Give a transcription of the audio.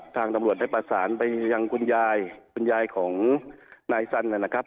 ทางตำรวจได้ประสานไปยังคุณยายคุณยายของนายสันนะครับ